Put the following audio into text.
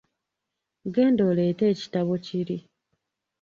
Genda oleete ekitabo kiri.